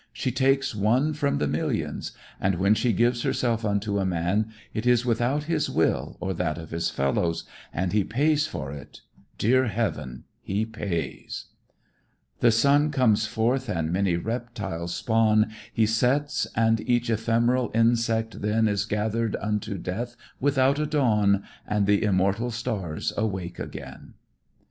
She takes one from the millions, and when she gives herself unto a man it is without his will or that of his fellows, and he pays for it, dear heaven, he pays! "The sun comes forth and many reptiles spawn, He sets and each ephemeral insect then Is gathered unto death without a dawn, And the immortal stars awake again."